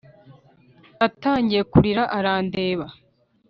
atangira kurira 'arandeba